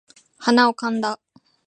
鼻をかんだ